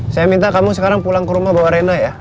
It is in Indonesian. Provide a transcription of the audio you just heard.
saya minta kamu sekarang pulang ke rumah bapak reno ya